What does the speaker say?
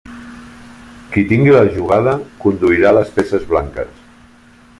Qui tingui la jugada, conduirà les peces blanques.